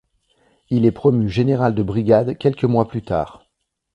Il est promu général de brigade quelques mois plus-tard.